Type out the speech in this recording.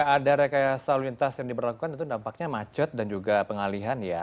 ada rekayasa lalu lintas yang diberlakukan tentu dampaknya macet dan juga pengalihan ya